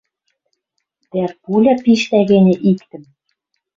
Дӓ пуля пиштӓ гӹньӹ иктӹм